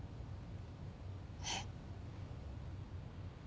えっ？